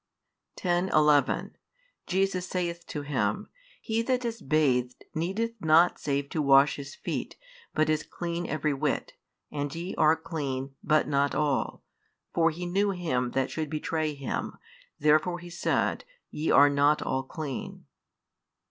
|180 10, 11 Jesus saith to him, He that is bathed needeth not save to wash his feet, but is clean every whit: and ye are clean, but not all. For He knew him that should betray Him; therefore said He, Ye are not all clean.